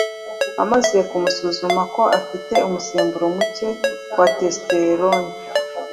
amaze kumusuzuma ko afite umusemburo muke wa testosterone